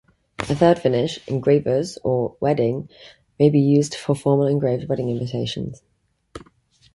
A third finish, "engravers" or "wedding", may be used for formal engraved wedding invitations.